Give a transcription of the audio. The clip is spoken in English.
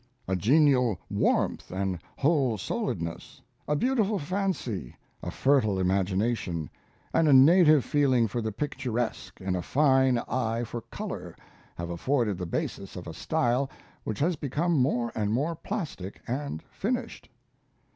A genial warmth and whole souledness, a beautiful fancy, a fertile imagination, and a native feeling for the picturesque and a fine eye for color have afforded the basis of a style which has become more and more plastic and finished.